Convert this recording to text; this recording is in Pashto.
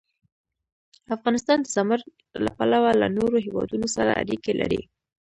افغانستان د زمرد له پلوه له نورو هېوادونو سره اړیکې لري.